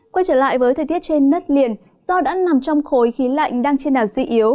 quay trở lại với thời tiết trên nất liền do đã nằm trong khối khí lạnh đang trên đảo duy yếu